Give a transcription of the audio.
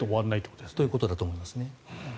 ということだと思います。